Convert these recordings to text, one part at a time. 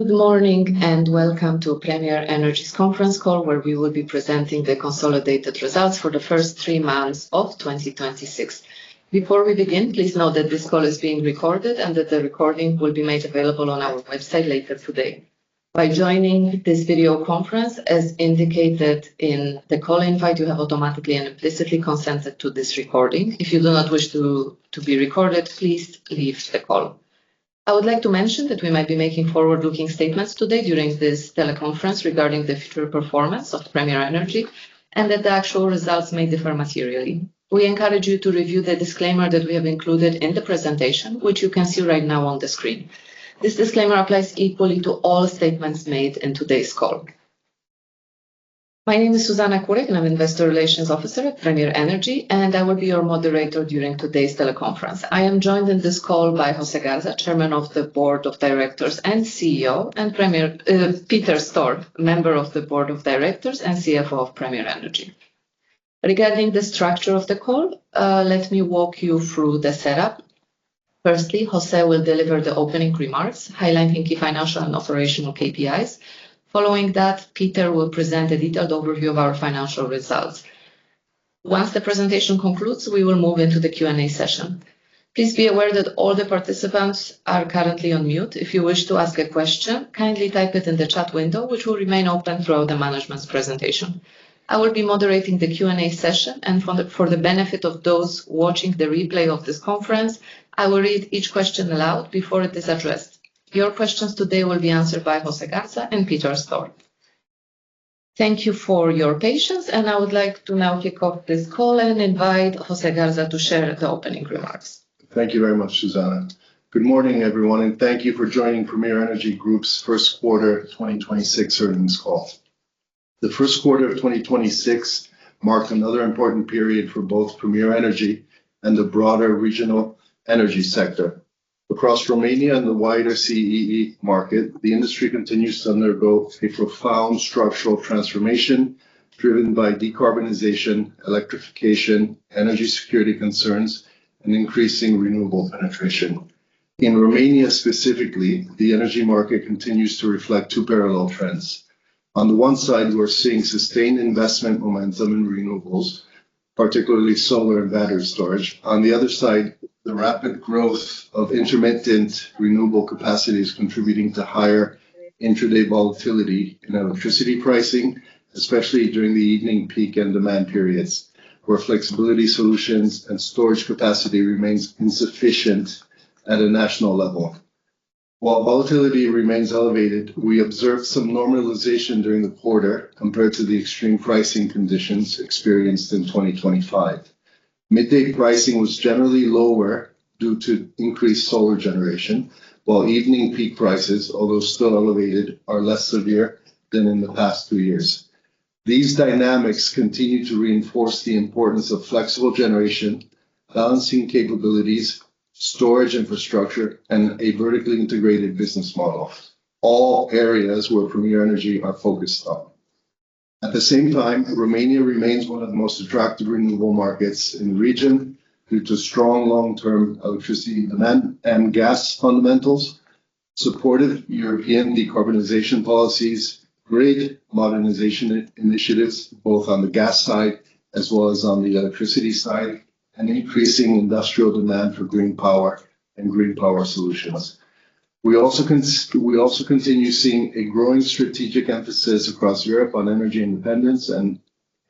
Good morning, and welcome to Premier Energy's conference call, where we will be presenting the consolidated results for the first three months of 2026. Before we begin, please note that this call is being recorded, and that the recording will be made available on our website later today. By joining this video conference, as indicated in the call invite, you have automatically and implicitly consented to this recording. If you do not wish to be recorded, please leave the call. I would like to mention that we might be making forward-looking statements today during this teleconference regarding the future performance of Premier Energy, and that the actual results may differ materially. We encourage you to review the disclaimer that we have included in the presentation, which you can see right now on the screen. This disclaimer applies equally to all statements made in today's call. My name is Zuzana Kurik, and I'm Investor Relations Officer at Premier Energy, and I will be your moderator during today's teleconference. I am joined on this call by Jose Garza, Chairman of the Board of Directors and CEO, and Peter Stohr, Member of the Board of Directors and CFO of Premier Energy. Regarding the structure of the call, let me walk you through the setup. Firstly, Jose will deliver the opening remarks, highlighting key financial and operational KPIs. Following that, Peter will present a detailed overview of our financial results. Once the presentation concludes, we will move into the Q&A session. Please be aware that all the participants are currently on mute. If you wish to ask a question, kindly type it in the chat window, which will remain open throughout the management's presentation. I will be moderating the Q&A session, and for the benefit of those watching the replay of this conference, I will read each question aloud before it is addressed. Your questions today will be answered by Jose Garza and Peter Stohr. Thank you for your patience, and I would like to now kick off this call and invite Jose Garza to share the opening remarks. Thank you very much, Zuzana. Good morning, everyone, and thank you for joining Premier Energy Group's first quarter 2026 earnings call. The first quarter of 2026 marked another important period for both Premier Energy and the broader regional energy sector. Across Romania and the wider CEE market, the industry continues to undergo a profound structural transformation driven by decarbonization, electrification, energy security concerns, and increasing renewable penetration. In Romania specifically, the energy market continues to reflect two parallel trends. On the one side, we're seeing sustained investment momentum in renewables, particularly solar and battery storage. On the other side, the rapid growth of intermittent renewable capacity is contributing to higher intraday volatility in electricity pricing, especially during the evening peak and demand periods, where flexibility solutions and storage capacity remains insufficient at a national level. While volatility remains elevated, we observed some normalization during the quarter compared to the extreme pricing conditions experienced in 2025. Midday pricing was generally lower due to increased solar generation, while evening peak prices, although still elevated, are less severe than in the past two years. These dynamics continue to reinforce the importance of flexible generation, balancing capabilities, storage infrastructure, and a vertically integrated business model. All areas where Premier Energy are focused on. At the same time, Romania remains one of the most attractive renewable markets in the region due to strong long-term electricity demand and gas fundamentals, supportive European decarbonization policies, grid modernization initiatives, both on the gas side as well as on the electricity side, and increasing industrial demand for green power and green power solutions. We also continue seeing a growing strategic emphasis across Europe on energy independence and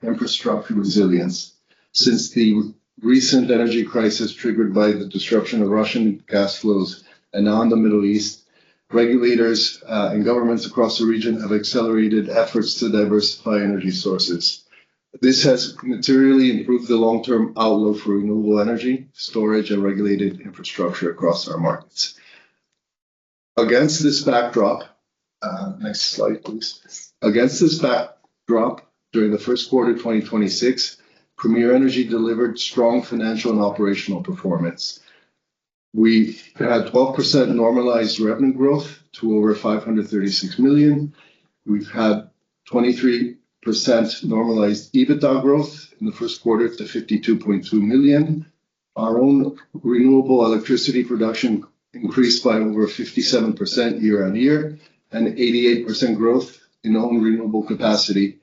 infrastructure resilience. Since the recent energy crisis triggered by the disruption of Russian gas flows and now in the Middle East, regulators and governments across the region have accelerated efforts to diversify energy sources. This has materially improved the long-term outlook for renewable energy, storage, and regulated infrastructure across our markets. Against this backdrop Next slide, please. Against this backdrop, during the first quarter 2026, Premier Energy delivered strong financial and operational performance. We've had 12% normalized revenue growth to over 536 million. We've had 23% normalized EBITDA growth in the first quarter to 52.2 million. Our own renewable electricity production increased by over 57% year-on-year, and 88% growth in own renewable capacity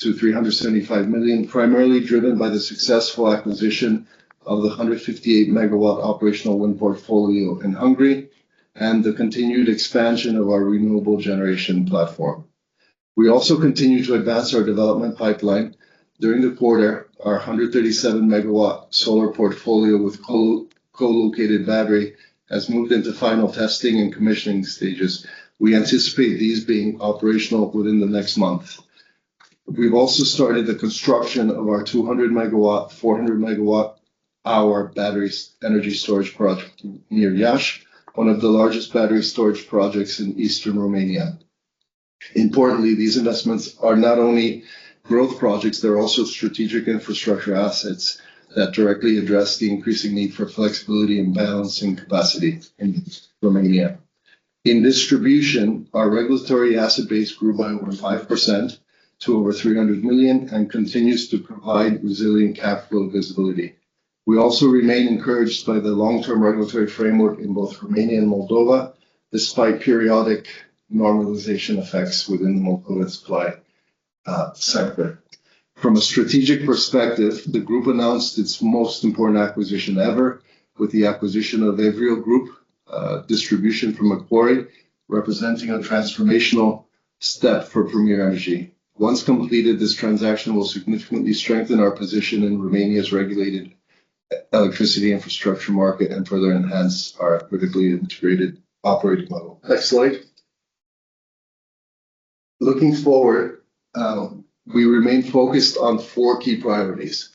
to 375 MW, primarily driven by the successful acquisition of the 158 MW operational wind portfolio in Hungary and the continued expansion of our renewable generation platform. We also continue to advance our development pipeline. During the quarter, our 137 MW solar portfolio with co-located battery has moved into final testing and commissioning stages. We anticipate these being operational within the next month. We've also started the construction of our 200 MW, 400 MWh battery energy storage project near Iasi, one of the largest battery storage projects in Eastern Romania. Importantly, these investments are not only growth projects, they're also strategic infrastructure assets that directly address the increasing need for flexibility and balancing capacity in Romania. In distribution, our regulatory asset base grew by over 5% to over 300 million and continues to provide resilient capital visibility. We also remain encouraged by the long-term regulatory framework in both Romania and Moldova, despite periodic normalization effects within the local supply sector. From a strategic perspective, the group announced its most important acquisition ever with the acquisition of Evryo Group, from Macquarie, representing a transformational step for Premier Energy. Once completed, this transaction will significantly strengthen our position in Romania's regulated electricity infrastructure market and further enhance our vertically integrated operating model. Next slide. Looking forward, we remain focused on four key priorities.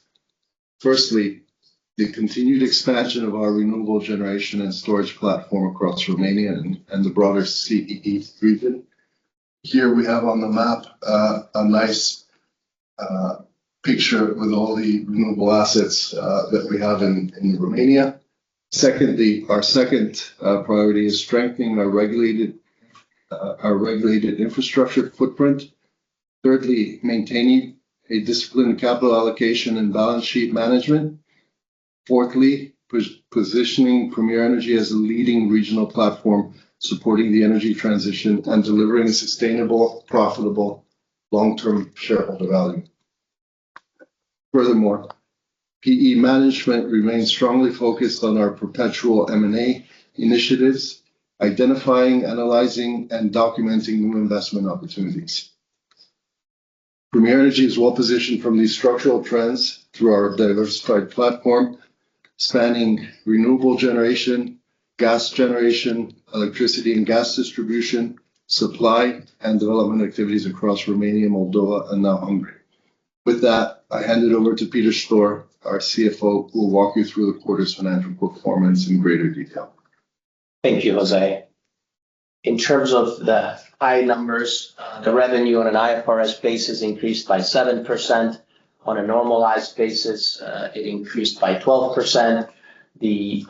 Firstly, the continued expansion of our renewable generation and storage platform across Romania and the broader CEE region. Here we have on the map a nice picture with all the renewable assets that we have in Romania. Secondly, our second priority is strengthening our regulated infrastructure footprint. Thirdly, maintaining a disciplined capital allocation and balance sheet management. Fourthly, positioning Premier Energy as a leading regional platform, supporting the energy transition and delivering sustainable, profitable long-term shareholder value. Furthermore, PE management remains strongly focused on our perpetual M&A initiatives, identifying, analyzing, and documenting new investment opportunities. Premier Energy is well-positioned from these structural trends through our diversified platform, spanning renewable generation, gas generation, electricity and gas distribution, supply, and development activities across Romania, Moldova, and now Hungary. With that, I hand it over to Peter Stohr, our CFO, who will walk you through the quarter's financial performance in greater detail. Thank you, Jose. In terms of the high numbers, the revenue on an IFRS basis increased by 7%. On a normalized basis, it increased by 12%. The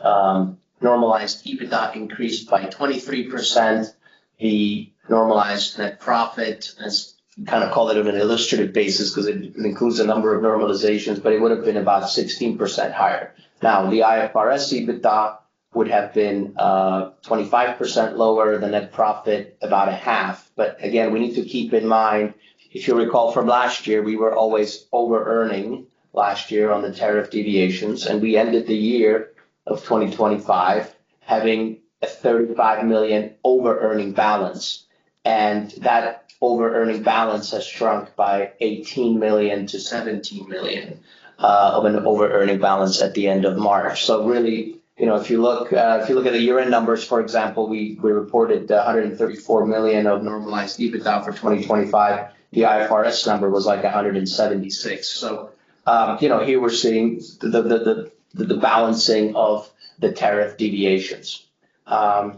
normalized EBITDA increased by 23%. The normalized net profit, as kind of call it on an illustrative basis, because it includes a number of normalizations, but it would have been about 16% higher. Now, the IFRS EBITDA would have been 25% lower, the net profit about a half. Again, we need to keep in mind, if you recall from last year, we were always over-earning last year on the tariff deviations, and we ended the year of 2025 having a 35 million over-earning balance. That over-earning balance has shrunk by 18 million to 17 million of an over-earning balance at the end of March. Really, if you look at the year-end numbers, for example, we reported 134 million of normalized EBITDA for 2025. The IFRS number was like 176. Here we're seeing the balancing of the tariff deviations. If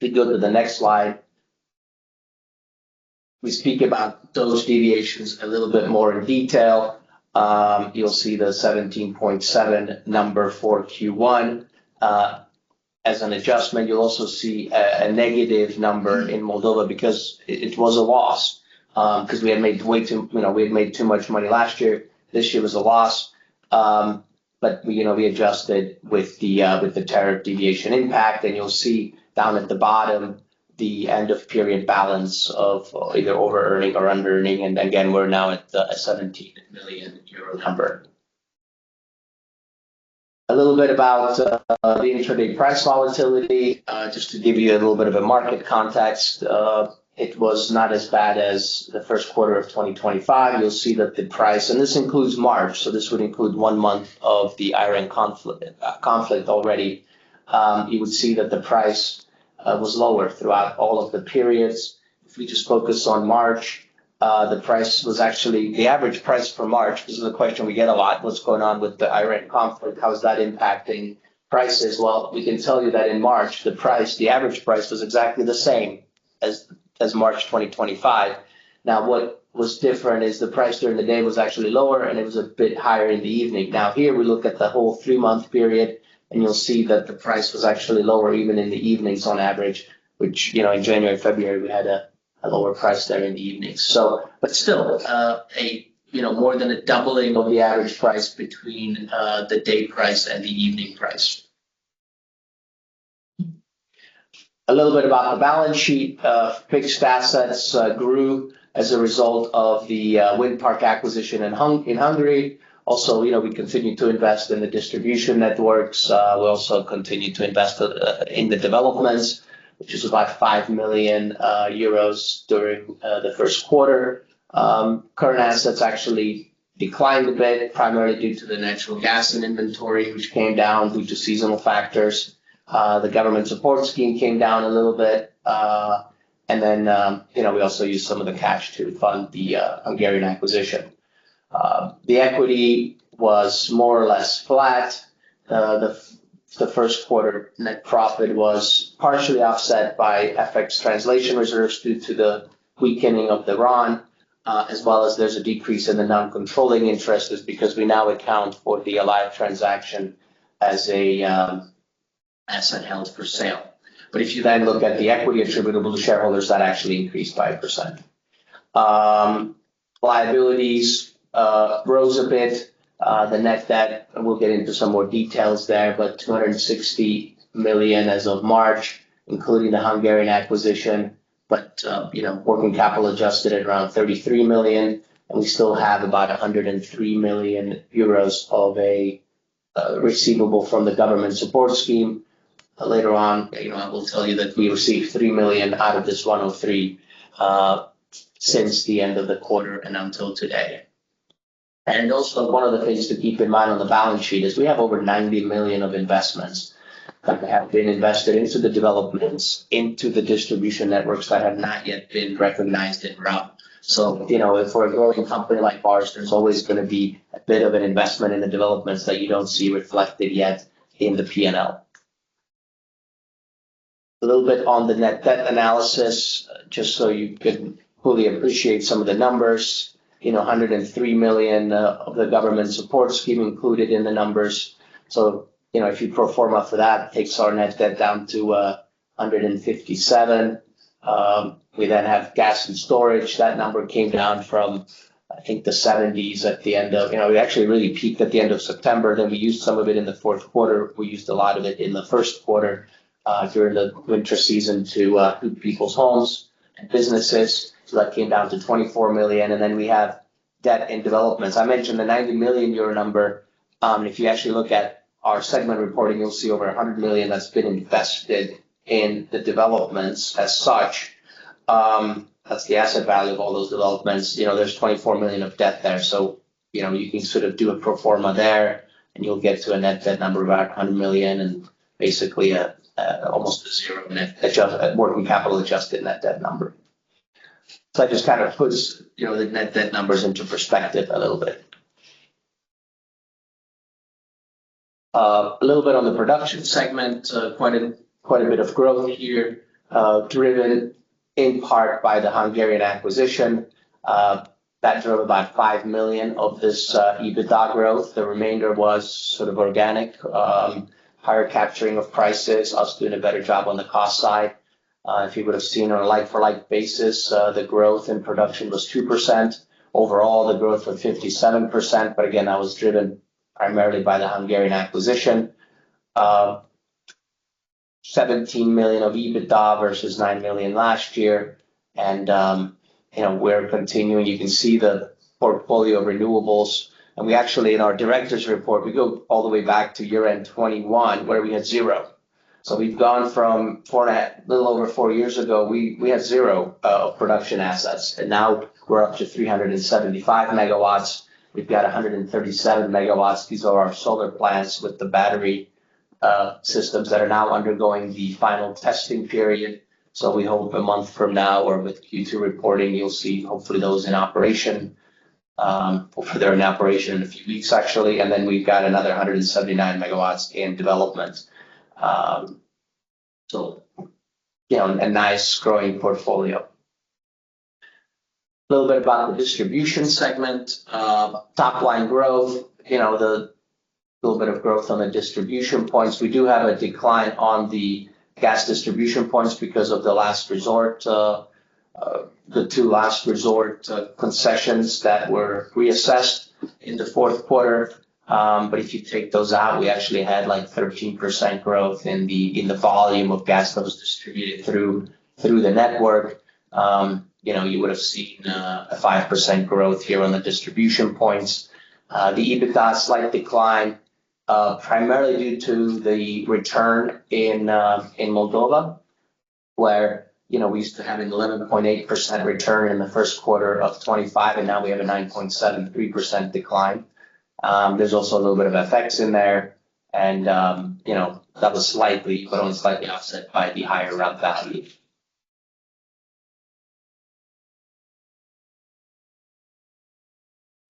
we go to the next slide. We speak about those deviations a little bit more in detail. You'll see the 17.7 number for Q1. As an adjustment, you'll also see a negative number in Moldova because it was a loss, because we had made too much money last year. This year was a loss. We adjusted with the tariff deviation impact. You'll see down at the bottom the end-of-period balance of either over-earning or under-earning. Again, we're now at a 17 million euro number. A little bit about the intraday price volatility, just to give you a little bit of a market context. It was not as bad as the first quarter of 2025. You'll see that the price, and this includes March, so this would include one month of the Iran conflict already. You would see that the price was lower throughout all of the periods. If we just focus on March, the average price for March, this is a question we get a lot, what's going on with the Iran conflict? How is that impacting prices? Well, we can tell you that in March, the average price was exactly the same as March 2025. Now, what was different is the price during the day was actually lower, and it was a bit higher in the evening. Here we look at the whole 3-month period, you'll see that the price was actually lower even in the evenings on average, which in January, February, we had a lower price there in the evening. Still, more than a doubling of the average price between the day price and the evening price. A little bit about the balance sheet. Fixed assets grew as a result of the wind park acquisition in Hungary. Also, we continue to invest in the distribution networks. We also continue to invest in the developments, which is about 5 million euros during the first quarter. Current assets actually declined a bit, primarily due to the natural gas and inventory, which came down due to seasonal factors. The government support scheme came down a little bit. We also used some of the cash to fund the Hungarian acquisition. The equity was more or less flat. The first quarter net profit was partially offset by FX translation reserves due to the weakening of the RON, as well as there's a decrease in the non-controlling interest is because we now account for the Alive transaction as an asset held for sale. If you then look at the equity attributable to shareholders, that actually increased 5%. Liabilities rose a bit. The net debt, we'll get into some more details there, 260 million as of March, including the Hungarian acquisition. Working capital adjusted at around 33 million, and we still have about 103 million euros of a receivable from the government support scheme. Later on, I will tell you that we received 3 million out of this 103 since the end of the quarter and until today. Also one of the things to keep in mind on the balance sheet is we have over 90 million of investments that have been invested into the developments, into the distribution networks that have not yet been recognized in rev. For a growing company like ours, there's always going to be a bit of an investment in the developments that you don't see reflected yet in the P&L. A little bit on the net debt analysis, just so you can fully appreciate some of the numbers. 103 million of the government support scheme included in the numbers. If you pro forma for that, it takes our net debt down to 157 million. We have gas and storage. That number came down from, I think, the seventies at the end of-- We actually really peaked at the end of September. We used some of it in the fourth quarter. We used a lot of it in the first quarter, during the winter season to heat people's homes and businesses. That came down to 24 million. We have debt and developments. I mentioned the 90 million euro number. If you actually look at our segment reporting, you'll see over 100 million that's been invested in the developments as such. That's the asset value of all those developments. There's 24 million of debt there. You can do a pro forma there, and you'll get to a net debt number of around 100 million and basically almost a zero net working capital-adjusted net debt number. That just kind of puts the net debt numbers into perspective a little bit. A little bit on the production segment. Quite a bit of growth here, driven in part by the Hungarian acquisition. That drove about 5 million of this EBITDA growth. The remainder was organic, higher capture price, us doing a better job on the cost side. If you would have seen our like-for-like basis, the growth in production was 2%. Overall, the growth was 57%. But again, that was driven primarily by the Hungarian acquisition. 17 million of EBITDA versus 9 million last year. We're continuing. You can see the portfolio of renewables. We actually, in our director's report, we go all the way back to year-end 2021, where we had zero. We've gone from a little over four years ago, we had zero production assets, and now we're up to 375 MW. We've got 137 MW. These are our solar plants with the battery systems that are now undergoing the final testing period. We hope a month from now or with Q2 reporting, you'll see hopefully those in operation. Hopefully, they're in operation in a few weeks, actually. Then we've got another 179 MW in development. A nice growing portfolio. A little bit about the distribution segment. Top-line growth, the little bit of growth on the distribution points. We do have a decline on the gas distribution points because of the two last resort concessions that were reassessed in the fourth quarter. If you take those out, we actually had 13% growth in the volume of gas that was distributed through the network. You would have seen a 5% growth here on the distribution points. The EBITDA slight decline, primarily due to the return in Moldova, where we used to have an 11.8% return in the first quarter of 2025, and now we have a 9.73% decline. There's also a little bit of FX in there, and that was slightly but only slightly offset by the higher rev value.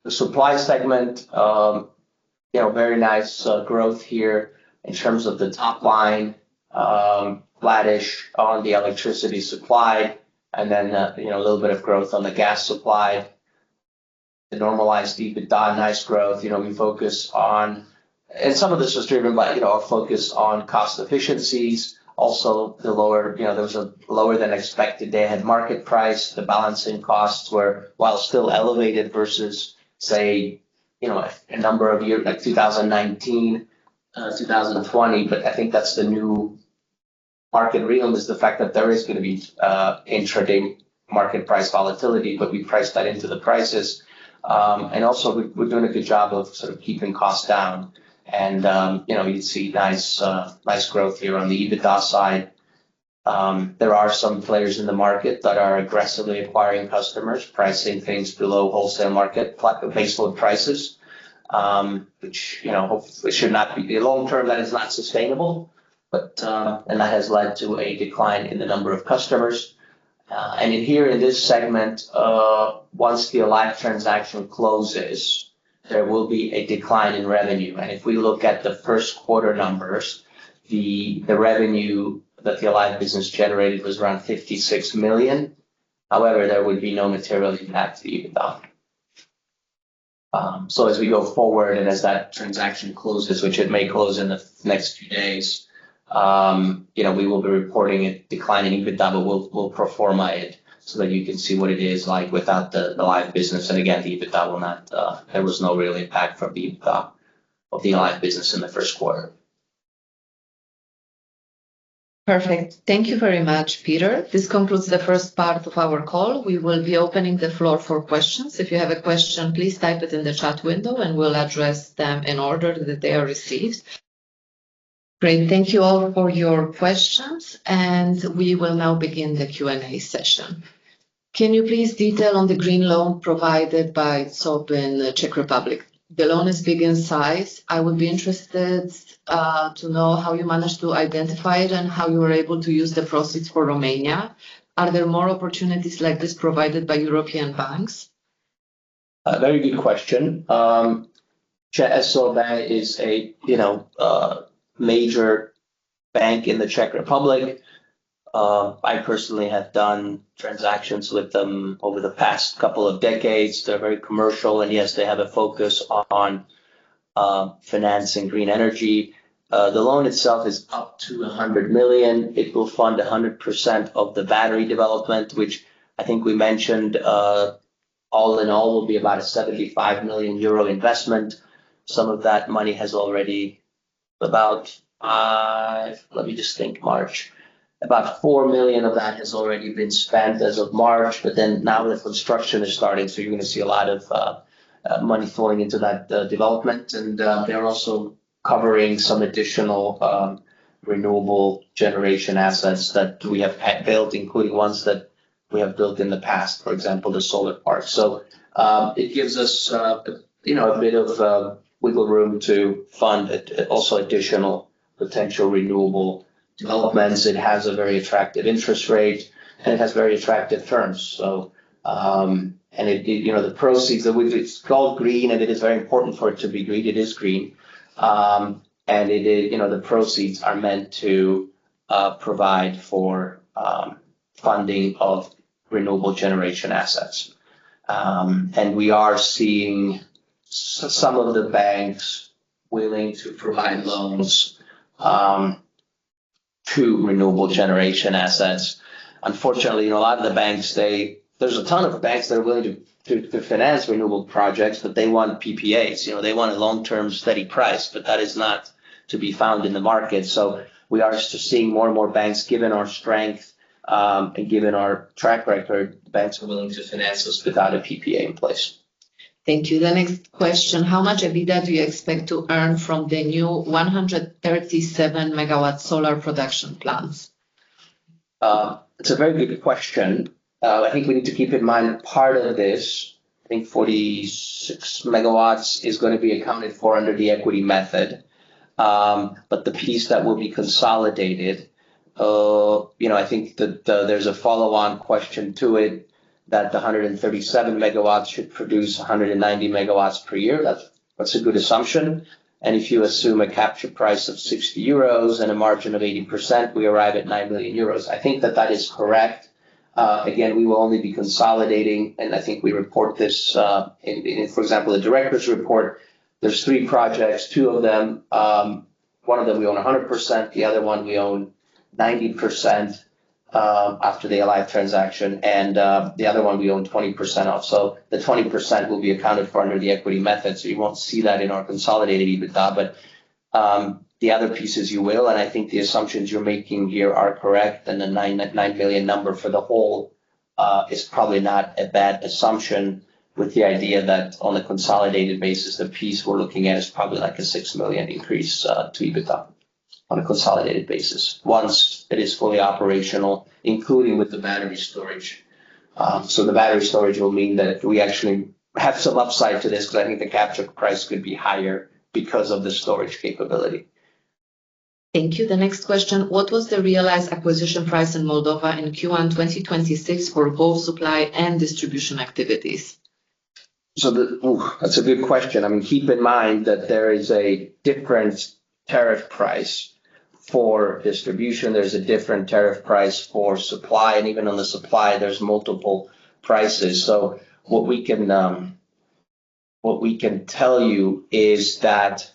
The supply segment, very nice growth here in terms of the top line, flattish on the electricity supply, and then a little bit of growth on the gas supply. The normalized EBITDA, nice growth. We focus on. Some of this was driven by our focus on cost efficiencies. Also, there was a lower-than-expected day-ahead market price. The balancing costs were while still elevated versus, say, a number of years like 2019, 2020. I think that's the new market realm, is the fact that there is going to be intraday market price volatility, but we priced that into the prices. Also, we're doing a good job of keeping costs down. You'd see nice growth here on the EBITDA side. There are some players in the market that are aggressively acquiring customers, pricing things below wholesale market base load prices, which hopefully should not be. Long term, that is not sustainable. That has led to a decline in the number of customers. In here in this segment, once the Alive transaction closes, there will be a decline in revenue. If we look at the first quarter numbers, the revenue that the Alive business generated was around 56 million. However, there would be no material impact to EBITDA. As we go forward and as that transaction closes, which it may close in the next few days, we will be reporting a decline in EBITDA, but we'll pro forma it so that you can see what it is like without the Alive business. Again, there was no real impact from the Alive business in the first quarter. Perfect. Thank you very much, Peter. This concludes the first part of our call. We will be opening the floor for questions. If you have a question, please type it in the chat window, and we'll address them in the order that they are received. Great. Thank you all for your questions, and we will now begin the Q&A session. Can you please detail on the green loan provided by ČSOB in the Czech Republic? The loan is big in size. I would be interested to know how you managed to identify it and how you were able to use the proceeds for Romania. Are there more opportunities like this provided by European banks? A very good question. ČSOB is a major bank in the Czech Republic. I personally have done transactions with them over the past couple of decades. They're very commercial, and yes, they have a focus on financing green energy. The loan itself is up to 100 million. It will fund 100% of the battery development, which I think we mentioned, all in all, will be about a 75 million euro investment. About 4 million of that has already been spent as of March, but then now the construction is starting, so you're going to see a lot of money flowing into that development. They're also covering some additional renewable generation assets that we have built, including ones that we have built in the past. For example, the solar park. It gives us a bit of wiggle room to fund also additional potential renewable developments. It has a very attractive interest rate, and it has very attractive terms. It's called green, and it is very important for it to be green. It is green. The proceeds are meant to provide for funding of renewable generation assets. We are seeing some of the banks willing to provide loans to renewable generation assets. Unfortunately, there's a ton of banks that are willing to finance renewable projects, but they want PPAs. They want a long-term steady price, but that is not to be found in the market. We are still seeing more and more banks, given our strength, and given our track record, banks are willing to finance us without a PPA in place. Thank you. The next question, how much EBITDA do you expect to earn from the new 137 MW solar production plants? It's a very good question. I think we need to keep in mind part of this, I think 46 MW, is going to be accounted for under the equity method. The piece that will be consolidated, I think that there's a follow-on question to it, that the 137 MW should produce 190 MW per year. That's a good assumption. If you assume a capture price of 60 euros and a margin of 80%, we arrive at 9 million euros. I think that that is correct. Again, we will only be consolidating, and I think we report this, for example, the director's report, there's three projects, two of them, one of them we own 100%, the other one we own 90% after the Alive transaction, and the other one we own 20% of. The 20% will be accounted for under the equity method. You won't see that in our consolidated EBITDA. The other pieces you will, and I think the assumptions you're making here are correct, and the 9 million number for the whole is probably not a bad assumption with the idea that on a consolidated basis, the piece we're looking at is probably like a 6 million increase to EBITDA on a consolidated basis once it is fully operational, including with the battery storage. The battery storage will mean that we actually have some upside to this because I think the capture price could be higher because of the storage capability. Thank you. The next question, what was the realized acquisition price in Moldova in Q1 2026 for both supply and distribution activities? That's a good question. I mean, keep in mind that there is a different tariff price for distribution. There's a different tariff price for supply, and even on the supply, there's multiple prices. What we can tell you is that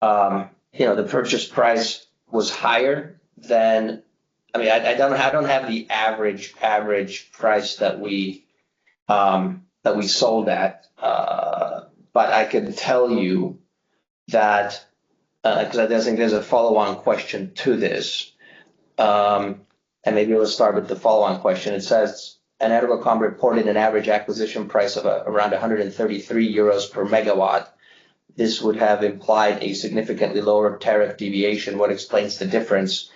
the purchase price was higher than I don't have the average price that we sold at, but I can tell you that, because I think there's a follow-on question to this. Maybe let's start with the follow-on question. It says, "Energocom reported an average acquisition price of around 133 euros per MW. This would have implied a significantly lower tariff deviation. What explains the difference?"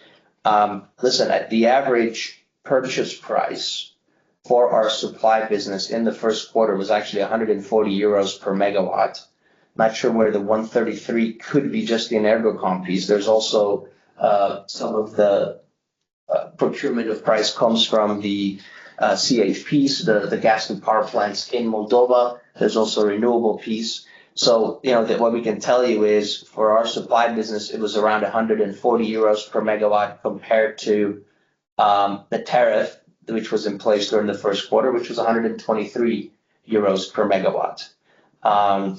Listen, the average purchase price for our supply business in the first quarter was actually 140 euros per MW. Not sure where the 133 could be just the Energocom piece. There's also some of the procurement of price comes from the CHP, so the gas and power plants in Moldova. There's also a renewable piece. What we can tell you is for our supply business, it was around 140 euros per MW compared to the tariff, which was in place during the first quarter, which was 123 euros per MW.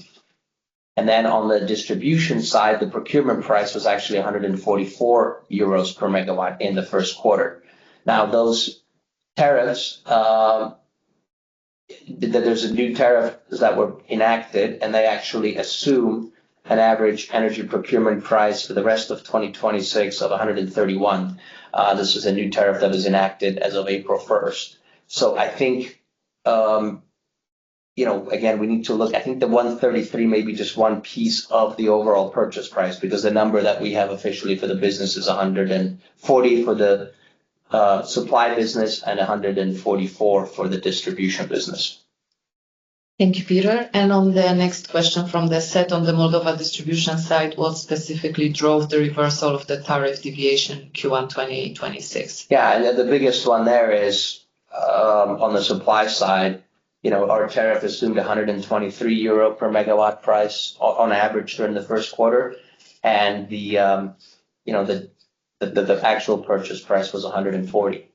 On the distribution side, the procurement price was actually 144 euros per MW in the first quarter. Those tariffs, there's new tariffs that were enacted, and they actually assume an average energy procurement price for the rest of 2026 of 131. This is a new tariff that was enacted as of April 1st. I think, again, we need to look. I think the 133 may be just one piece of the overall purchase price, because the number that we have officially for the business is 140 for the supply business and 144 for the distribution business. Thank you, Peter. On the next question from the set on the Moldova distribution side, what specifically drove the reversal of the tariff deviation Q1 2026? Yeah, the biggest one there is on the supply side. Our tariff assumed €123 per megawatt price on average during the first quarter. The actual purchase price was 140.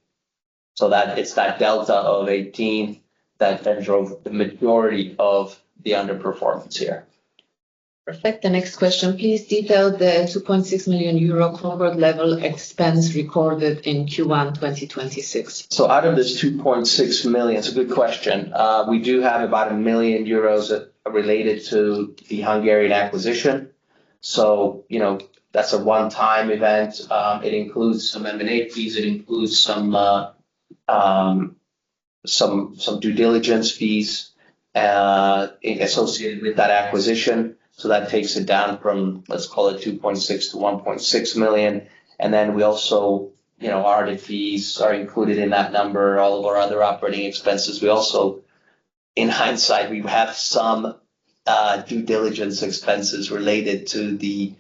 It's that delta of 18 that then drove the majority of the underperformance here. Perfect. The next question, please detail the €2.6 million corporate-level expense recorded in Q1 2026. Out of this 2.6 million, it's a good question. We do have about 1 million euros related to the Hungarian acquisition. That's a one-time event. It includes some M&A fees. It includes some due diligence fees associated with that acquisition. That takes it down from, let's call it 2.6 to 1.6 million. We also, our audit fees are included in that number, all of our other operating expenses. We also, in hindsight, we have some due diligence expenses related to the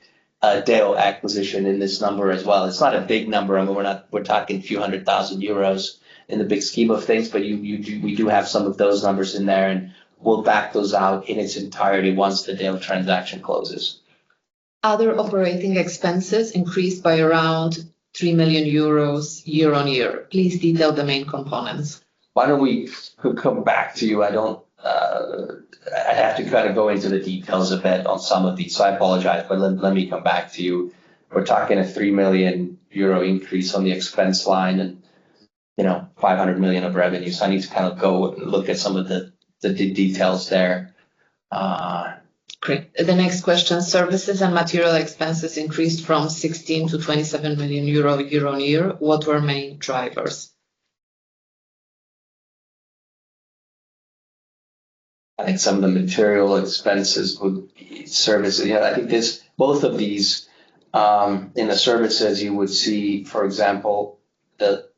DEO acquisition in this number as well. It's not a big number. I mean, we're talking a few hundred thousand euros in the big scheme of things, but we do have some of those numbers in there, and we'll back those out in its entirety once the DEO transaction closes. Other operating expenses increased by around €3 million year-on-year. Please detail the main components. Why don't we come back to you? I'd have to go into the details a bit on some of these, so I apologize. Let me come back to you. We're talking a 3 million euro increase on the expense line and 500 million of revenue. I need to go and look at some of the details there. Great. The next question, services and material expenses increased from 16 million to 27 million euro year-on-year. What were main drivers? I think some of the material expenses would service. Yeah, I think both of these, in the services, you would see, for example, the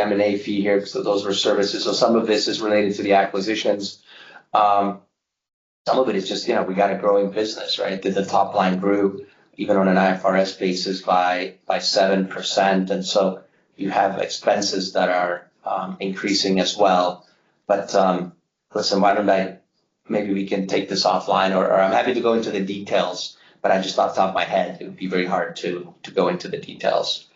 M&A fee here, so those were services. Some of this is related to the acquisitions. Some of it is just we got a growing business, right? The top line grew even on an IFRS basis by 7%, you have expenses that are increasing as well. Listen, why don't I Maybe we can take this offline, or I'm happy to go into the details, but I just off top of my head, it would be very hard to go into the details.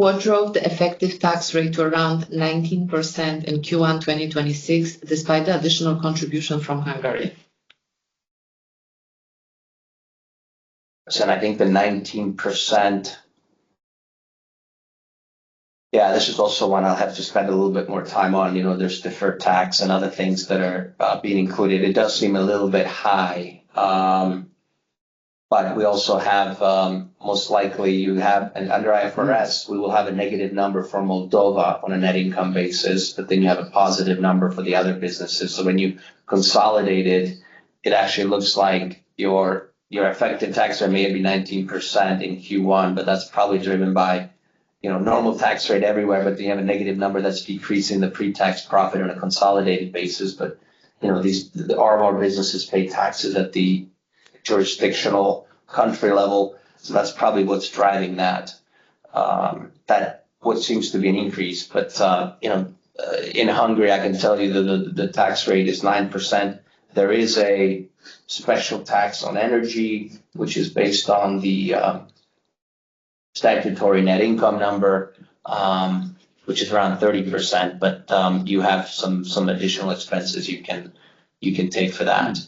What drove the effective tax rate to around 19% in Q1 2026, despite the additional contribution from Hungary? I think the 19%. This is also one I'll have to spend a little bit more time on. There's deferred tax and other things that are being included. It does seem a little bit high, but we also have, most likely you have, and under IFRS, we will have a negative number for Moldova on a net income basis. You have a positive number for the other businesses. When you consolidate it actually looks like your effective tax rate may be 19% in Q1. That's probably driven by normal tax rate everywhere. All of our businesses pay taxes at the jurisdictional country level, so that's probably what's driving that, what seems to be an increase. In Hungary, I can tell you the tax rate is 9%. There is a special tax on energy, which is based on the statutory net income number, which is around 30%. You have some additional expenses you can take for that.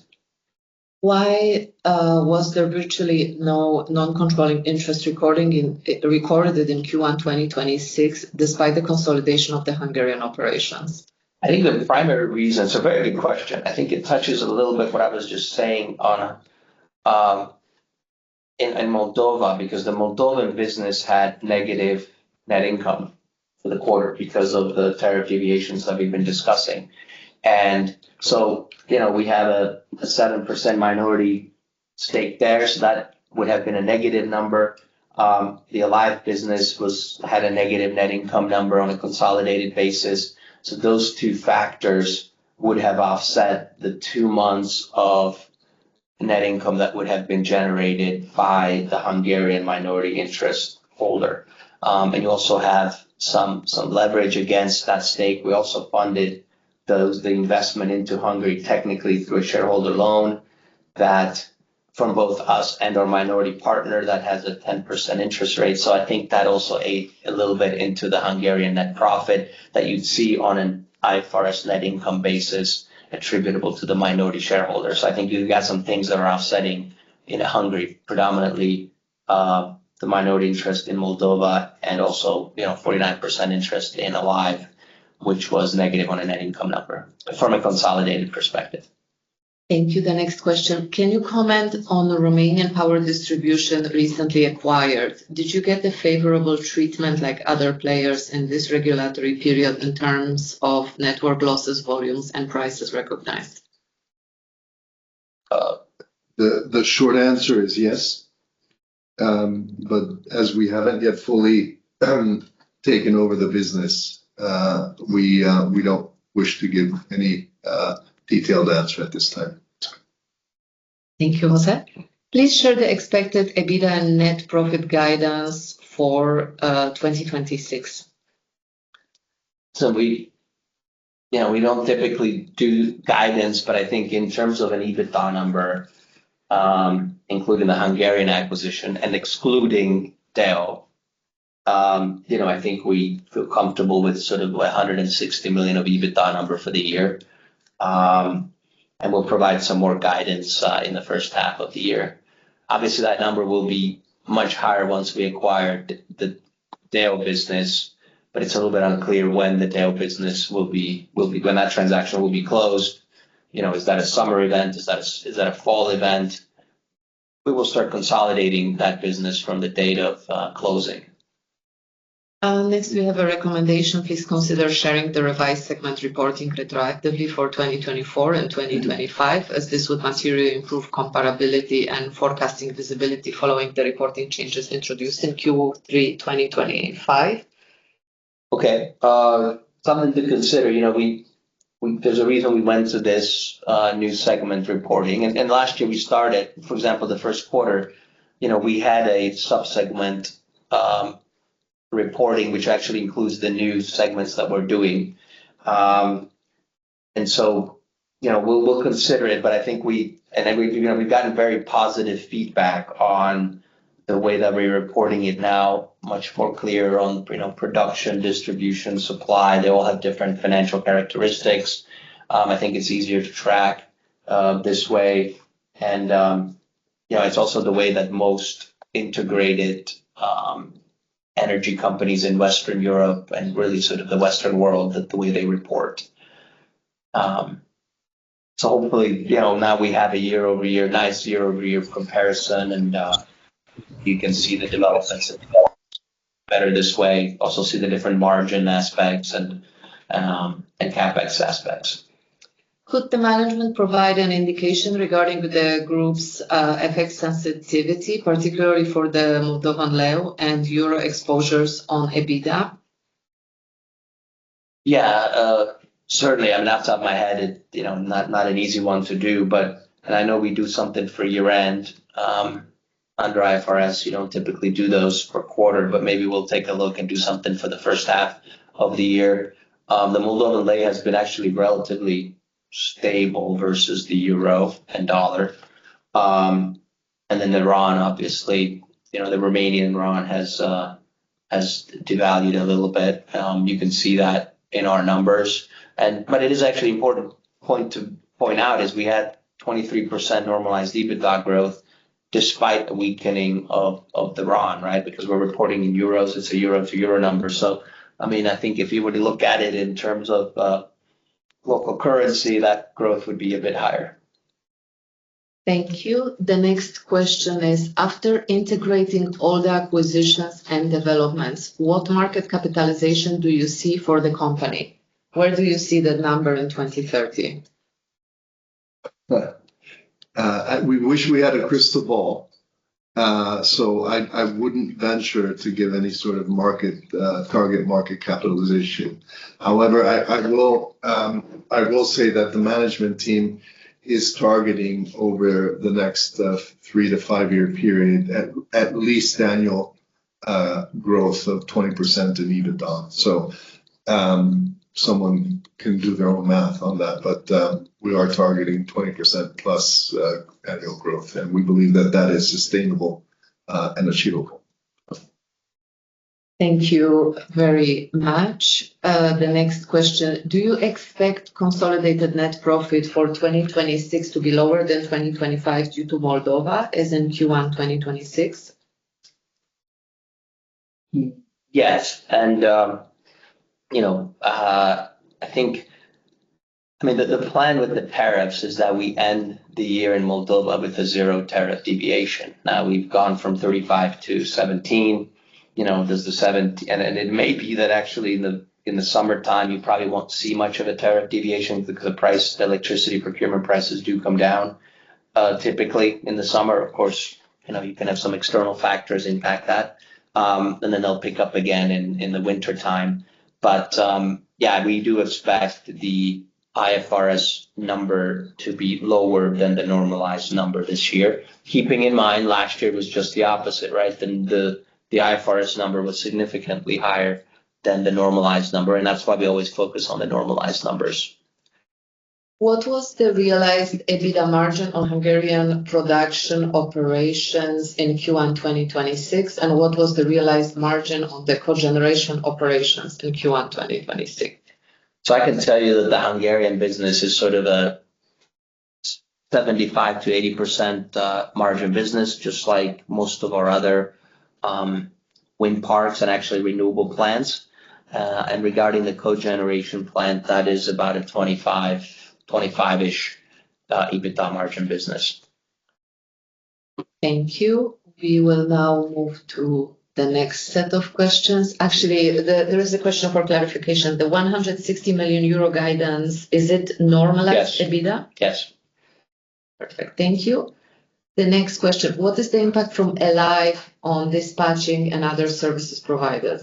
Why was there virtually no non-controlling interest recorded in Q1 2026, despite the consolidation of the Hungarian operations? I think the primary reason, it's a very good question. I think it touches a little bit what I was just saying, Anna, in Moldova, because the Moldovan business had negative net income for the quarter because of the tariff deviations that we've been discussing. We have a 7% minority stake there, so that would have been a negative number. The Alive business had a negative net income number on a consolidated basis. Those two factors would have offset the two months of net income that would have been generated by the Hungarian minority interest holder. You also have some leverage against that stake. We also funded the investment into Hungary technically through a shareholder loan. That from both us and our minority partner that has a 10% interest rate. I think that also ate a little bit into the Hungarian net profit that you'd see on an IFRS net income basis attributable to the minority shareholders. I think you've got some things that are offsetting in Hungary, predominantly, the minority interest in Moldova and also 49% interest in Alive, which was negative on a net income number from a consolidated perspective. Thank you. The next question. Can you comment on the Romanian power distribution recently acquired? Did you get the favorable treatment like other players in this regulatory period in terms of network losses, volumes, and prices recognized? The short answer is yes. As we haven't yet fully taken over the business, we don't wish to give any detailed answer at this time. Thank you, Jose. Please share the expected EBITDA and net profit guidance for 2026. We don't typically do guidance, I think in terms of an EBITDA number, including the Hungarian acquisition and excluding DEO, I think we feel comfortable with sort of 160 million of EBITDA number for the year. We'll provide some more guidance in the first half of the year. Obviously, that number will be much higher once we acquire the DEO business, it's a little bit unclear when that transaction will be closed. Is that a summer event? Is that a fall event? We will start consolidating that business from the date of closing. We have a recommendation. Please consider sharing the revised segment reporting retroactively for 2024 and 2025, as this would materially improve comparability and forecasting visibility following the reporting changes introduced in Q3 2025. Something to consider. There's a reason we went to this new segment reporting. Last year we started, for example, the first quarter, we had a sub-segment reporting, which actually includes the new segments that we're doing. We'll consider it, and we've gotten very positive feedback on the way that we're reporting it now, much more clear on production, distribution, supply. They all have different financial characteristics. I think it's easier to track, this way. It's also the way that most integrated energy companies in Western Europe and really sort of the Western world, the way they report. Hopefully, now we have a nice year-over-year comparison, and you can see the developments better this way. Also see the different margin aspects and CapEx aspects. Could the management provide an indication regarding the group's FX sensitivity, particularly for the Moldovan leu and euro exposures on EBITDA? Yeah. Certainly. Not off the top of my head. Not an easy one to do, and I know we do something for year-end. Under IFRS, you don't typically do those for quarter, but maybe we'll take a look and do something for the first half of the year. The Moldovan leu has been actually relatively stable versus the euro and dollar. The RON, obviously, the Romanian RON has devalued a little bit. You can see that in our numbers. It is actually important point to point out is we had 23% normalized EBITDA growth despite a weakening of the RON, right? Because we're reporting in euros, it's a euro-to-euro number. I think if you were to look at it in terms of local currency, that growth would be a bit higher. Thank you. The next question is, after integrating all the acquisitions and developments, what market capitalization do you see for the company? Where do you see the number in 2030? We wish we had a crystal ball. I wouldn't venture to give any sort of target market capitalization. However, I will say that the management team is targeting over the next three to five-year period at least annual growth of 20% in EBITDA. Someone can do their own math on that, but we are targeting 20% plus annual growth, and we believe that that is sustainable and achievable. Thank you very much. The next question, do you expect consolidated net profit for 2026 to be lower than 2025 due to Moldova as in Q1 2026? Yes. The plan with the tariffs is that we end the year in Moldova with a zero tariff deviation. Now we've gone from 35 to 17. It may be that actually in the summertime, you probably won't see much of a tariff deviation because the electricity procurement prices do come down, typically in the summer. Of course, you can have some external factors impact that, and then they'll pick up again in the wintertime. Yeah, we do expect the IFRS number to be lower than the normalized number this year. Keeping in mind last year was just the opposite, right? The IFRS number was significantly higher than the normalized number, and that's why we always focus on the normalized numbers. What was the realized EBITDA margin on Hungarian production operations in Q1 2026? What was the realized margin on the cogeneration operations in Q1 2026? I can tell you that the Hungarian business is a 75%-80% margin business, just like most of our other wind parks and actually renewable plants. Regarding the cogeneration plant, that is about a 25-ish EBITDA margin business. Thank you. We will now move to the next set of questions. There is a question for clarification. The 160 million euro guidance, is it normalized? Yes EBITDA? Yes. Perfect. Thank you. The next question: What is the impact from Alive on dispatching and other services providers?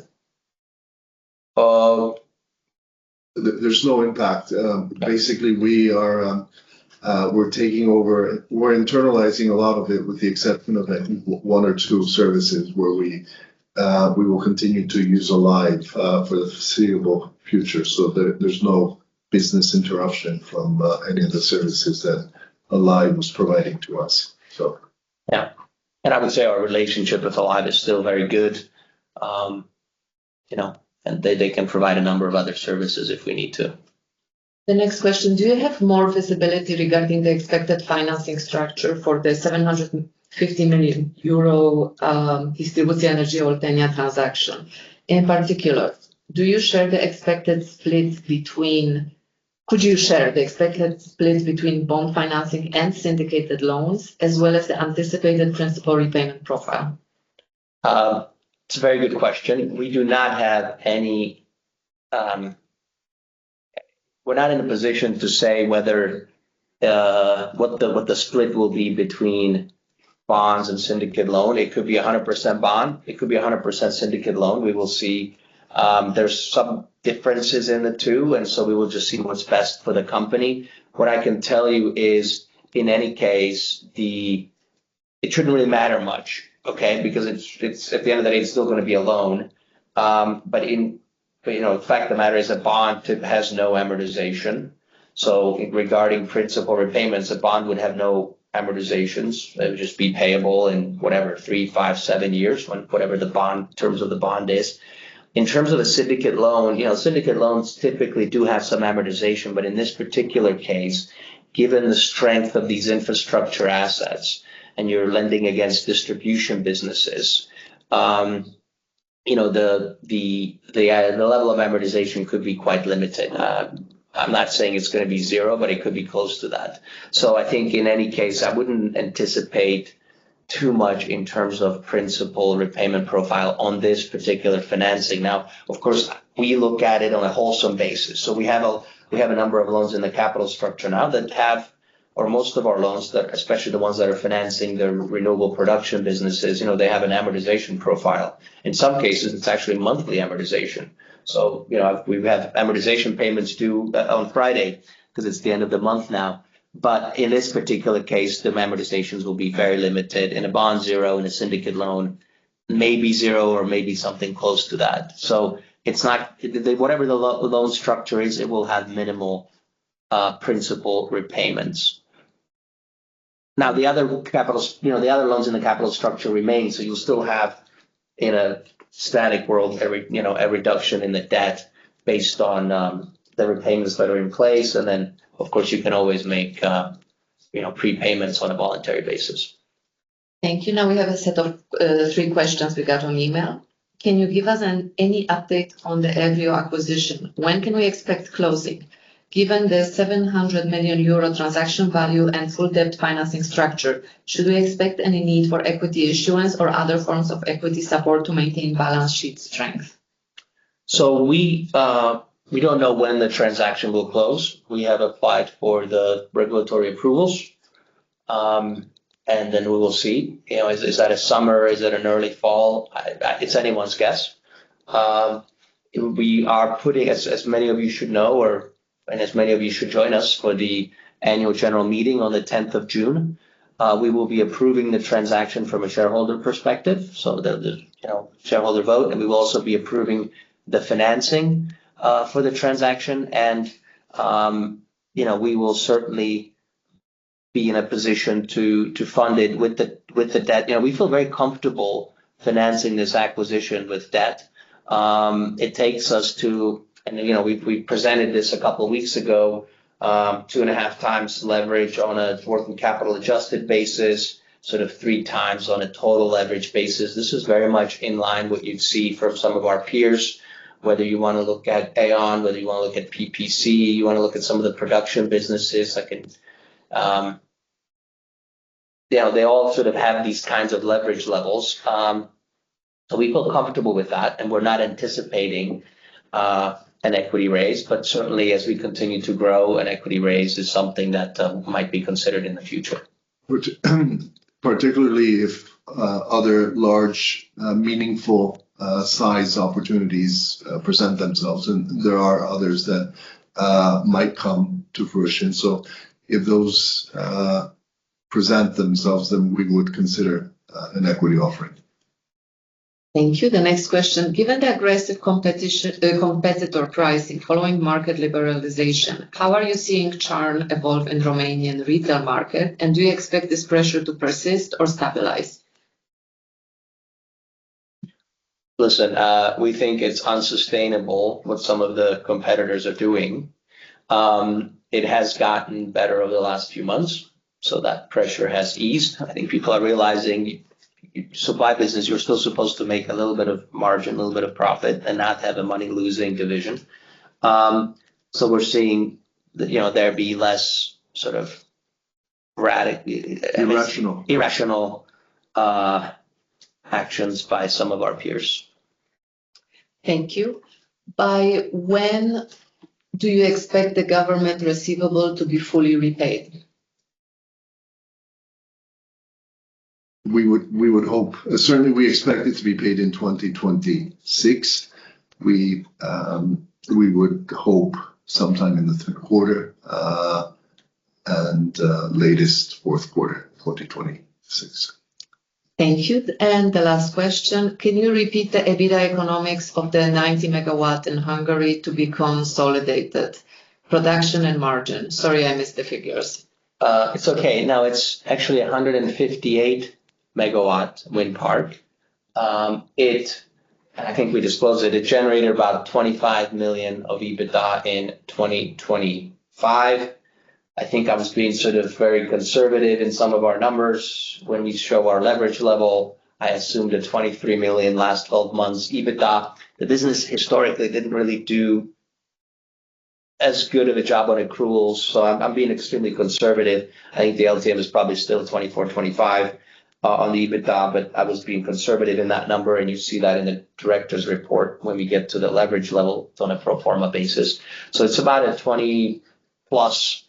There's no impact. Basically, we're internalizing a lot of it with the exception of, I think, one or two services where we will continue to use Alive for the foreseeable future. There's no business interruption from any of the services that Alive was providing to us. Yeah. I would say our relationship with Alive is still very good. They can provide a number of other services if we need to. The next question: Do you have more visibility regarding the expected financing structure for the 750 million euro Distributie Energie Oltenia transaction? In particular, could you share the expected splits between bond financing and syndicated loans, as well as the anticipated principal repayment profile? It's a very good question. We're not in a position to say what the split will be between bonds and syndicate loan. It could be 100% bond, it could be 100% syndicate loan. We will see. There's some differences in the two, we will just see what's best for the company. What I can tell you is, in any case, it shouldn't really matter much, okay? At the end of the day, it's still going to be a loan. The fact of the matter is a bond has no amortization. Regarding principal repayments, a bond would have no amortizations. It would just be payable in whatever, three, five, seven years, whatever the terms of the bond is. In terms of a syndicate loan, syndicate loans typically do have some amortization. In this particular case, given the strength of these infrastructure assets and you're lending against distribution businesses, the level of amortization could be quite limited. I'm not saying it's going to be zero, but it could be close to that. I think in any case, I wouldn't anticipate too much in terms of principal repayment profile on this particular financing. Now, of course, we look at it on a wholesome basis. We have a number of loans in the capital structure now that have, or most of our loans, especially the ones that are financing the renewable production businesses, they have an amortization profile. In some cases, it's actually monthly amortization. We have amortization payments due on Friday because it's the end of the month now. In this particular case, the amortizations will be very limited, in a bond zero, in a syndicate loan, maybe zero or maybe something close to that. Whatever the loan structure is, it will have minimal principal repayments. Now, the other loans in the capital structure remain, you'll still have, in a static world, a reduction in the debt based on the repayments that are in place, of course, you can always make prepayments on a voluntary basis. Thank you. Now we have a set of three questions we got on email. Can you give us any update on the Evryo acquisition? When can we expect closing? Given the 700 million euro transaction value and full debt financing structure, should we expect any need for equity issuance or other forms of equity support to maintain balance sheet strength? We don't know when the transaction will close. We have applied for the regulatory approvals, and then we will see. Is that a summer? Is it an early fall? It is anyone's guess. As many of you should know, as many of you should join us for the annual general meeting on the 10th of June, we will be approving the transaction from a shareholder perspective, so the shareholder vote, and we will also be approving the financing for the transaction. We will certainly be in a position to fund it with the debt. We feel very comfortable financing this acquisition with debt. It takes us to, and we presented this a couple of weeks ago, 2.5 times leverage on a fourth and capital adjusted basis, sort of 3 times on a total leverage basis. This is very much in line what you would see from some of our peers, whether you want to look at E.ON, whether you want to look at PPC, you want to look at some of the production businesses. They all sort of have these kinds of leverage levels. We feel comfortable with that, and we are not anticipating an equity raise, but certainly as we continue to grow, an equity raise is something that might be considered in the future. Particularly if other large, meaningful size opportunities present themselves, and there are others that might come to fruition. If those present themselves, then we would consider an equity offering. Thank you. The next question. Given the aggressive competitor pricing following market liberalization, how are you seeing churn evolve in Romanian retail market, and do you expect this pressure to persist or stabilize? Listen, we think it's unsustainable what some of the competitors are doing. It has gotten better over the last few months, so that pressure has eased. I think people are realizing supply business, you're still supposed to make a little bit of margin, a little bit of profit, and not have a money-losing division. We're seeing there be less sort of radic- Irrational irrational actions by some of our peers. Thank you. By when do you expect the government receivable to be fully repaid? Certainly, we expect it to be paid in 2026. We would hope sometime in the third quarter, and latest fourth quarter 2026. Thank you. The last question. Can you repeat the EBITDA economics of the 90 MW in Hungary to be consolidated? Production and margin. Sorry, I missed the figures. It's actually 158 MW wind park. I think we disclosed it. It generated about 25 million of EBITDA in 2025. I think I was being very conservative in some of our numbers when we show our leverage level. I assumed a 23 million LTM EBITDA. The business historically didn't really do as good of a job on accruals, so I'm being extremely conservative. I think the LTM is probably still 24, 25 on the EBITDA, but I was being conservative in that number, and you see that in the director's report when we get to the leverage level on a pro forma basis. It's about a 20-plus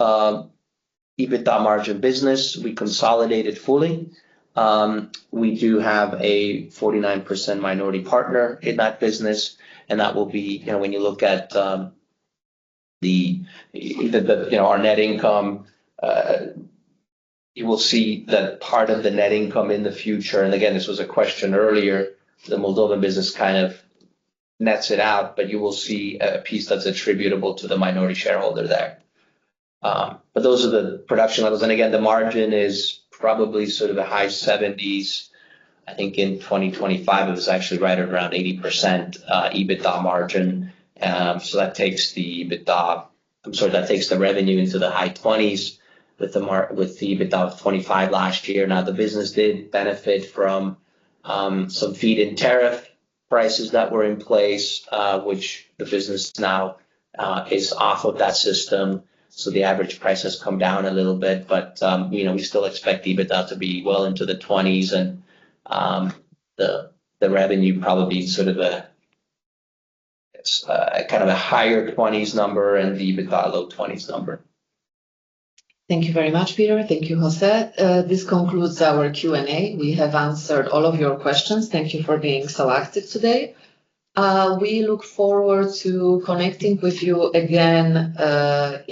EBITDA margin business. We consolidate it fully. We do have a 49% minority partner in that business, and that will be when you look at our net income, you will see that part of the net income in the future. Again, this was a question earlier, the Moldovan business kind of nets it out, but you will see a piece that's attributable to the minority shareholder there. Those are the production levels. Again, the margin is probably sort of a high 70s. I think in 2025, it was actually right around 80% EBITDA margin. That takes the EBITDA, I'm sorry, that takes the revenue into the high 20s with the EBITDA of 25 million last year. Now, the business did benefit from some feed-in tariff prices that were in place, which the business now is off of that system, so the average price has come down a little bit. We still expect the EBITDA to be well into the 20s, and the revenue probably be a higher 20s number and the EBITDA low 20s number. Thank you very much, Peter. Thank you, Jose. This concludes our Q&A. We have answered all of your questions. Thank you for being so active today. We look forward to connecting with you again at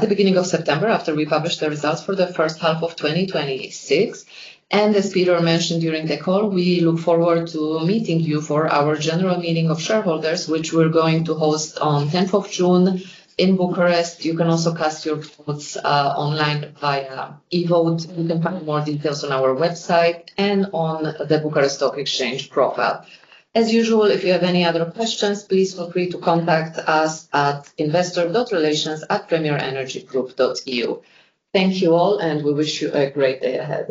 the beginning of September after we publish the results for the first half of 2026. As Peter mentioned during the call, we look forward to meeting you for our General Meeting of Shareholders, which we're going to host on 10th of June in Bucharest. You can also cast your votes online via e-vote. You can find more details on our website and on the Bucharest Stock Exchange profile. As usual, if you have any other questions, please feel free to contact us at investor.relations@premierenergygroup.eu. Thank you all, and we wish you a great day ahead